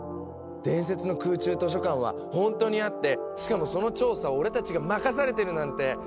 伝説の空中図書館は本当にあってしかもその調査を俺たちが任されてるなんて。